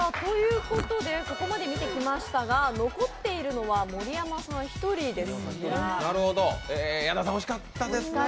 ここまで見てきましたが残っているのは盛山さん１人ですが。